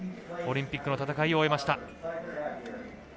オリンピックの戦いを終えました。